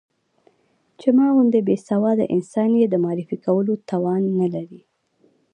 چې ما غوندې بې سواده انسان يې د معرفي کولو توان نه لري.